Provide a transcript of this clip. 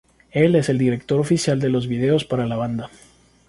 Él es el director oficial de los videos para la banda.